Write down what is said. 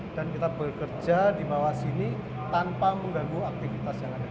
dan kita bekerja di bawah sini tanpa mengganggu aktivitas yang ada di atas